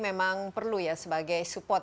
memang perlu ya sebagai support